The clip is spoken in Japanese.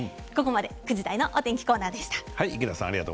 ９時台のお天気コーナーでした。